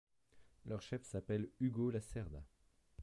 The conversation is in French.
Leur chef s'appelle Hugo Lacerda.